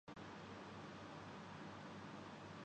مت پوچھ کہ کیا حال ہے میرا ترے پیچھے